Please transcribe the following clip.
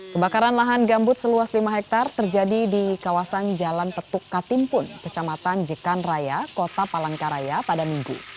kebakaran lahan gambut seluas lima hektare terjadi di kawasan jalan petuk katimpun kecamatan jekan raya kota palangkaraya pada minggu